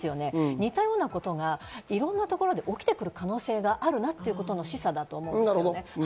似たようなことがいろんなところで起きてくる可能性があるなっていうことの示唆だと思うんです。